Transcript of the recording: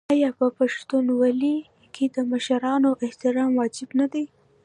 آیا په پښتونولۍ کې د مشرانو احترام واجب نه دی؟